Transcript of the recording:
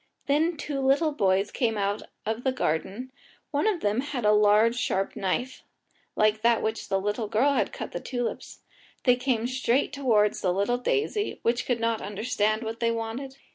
Then two little boys came out of the garden; one of them had a large sharp knife, like that with which the girl had cut the tulips. They came straight towards the little daisy, which could not understand what they wanted.